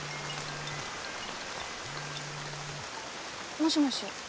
もしもし。